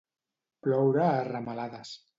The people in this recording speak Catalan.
Ploure a ramalades.